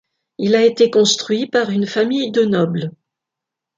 Il a été construit par une famille de nobles.